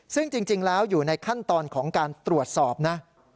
ซึ่งจริงแล้วอยู่ในขั้นตอนของการตรวจสอบนะ